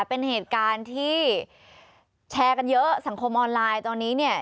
เป็นเหตุการณ์ที่แชร์กันเยอะสังคมออนไลน์ตอนนี้เนี่ย